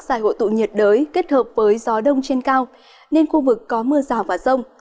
giải hội tụ nhiệt đới kết hợp với gió đông trên cao nên khu vực có mưa rào và rông